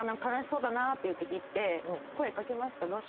悲しそうだなっていうときって声掛けますか？